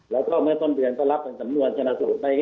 แล้วก็เมื่อต้นเดือนก็รับเป็นสำนวนชนะสูตรไป